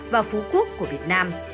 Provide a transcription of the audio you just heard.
và phú quốc của việt nam